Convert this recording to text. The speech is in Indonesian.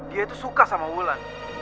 dia itu suka sama wulan